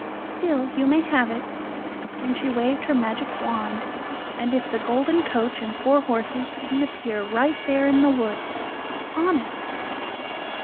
Still, you may have it," and she waved her magic wand, and if the golden coach and four horses didn't appear right there in the woods honest!